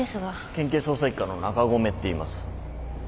県警捜査一課の中込っていいます。